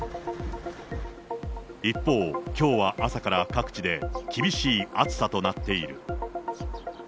一方、きょうは朝から各地で厳しい暑さとなっている。